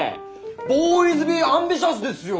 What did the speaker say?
ボーイズビーアンビシャスですよ！